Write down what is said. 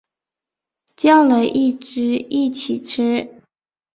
叫了一只一起吃